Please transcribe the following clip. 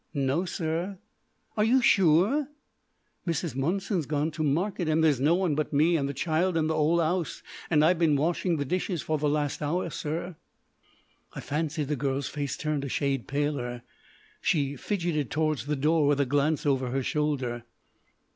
"No, sir." "Are you sure?" "Mrs. Monson's gone to market, and there's no one but me and the child in the 'ole 'ouse, and I've been washing the dishes for the last hour, sir." I fancied the girl's face turned a shade paler. She fidgeted towards the door with a glance over her shoulder.